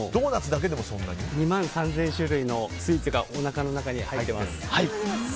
２万３０００種類のスイーツがおなかの中に入ってます。